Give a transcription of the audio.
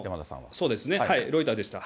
そうですね、ロイターでした。